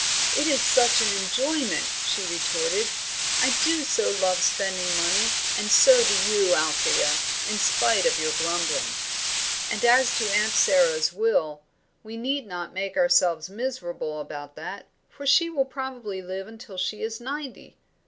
"It is such an enjoyment," she retorted. "I do so love spending money, and so do you, Althea, in spite of your grumbling. And as to Aunt Sara's will, we need not make ourselves miserable about that, for she will probably live until she is ninety."